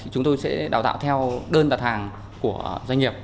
chúng tôi sẽ đào tạo theo đơn đặt hàng của doanh nghiệp